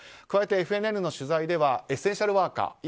加えてＦＮＮの取材ではエッセンシャルワーカー